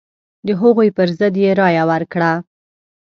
د هغوی پر ضد یې رايه ورکړه.